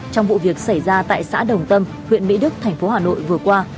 trong vụ việc xảy ra tại xã đồng tâm huyện mỹ đức tp hà nội vừa qua